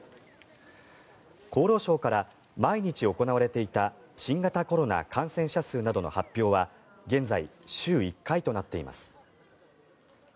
厚労省から毎日行われていた新型コロナ感染者数などの発表は現在、週１回となっています。